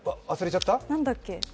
何だっけ。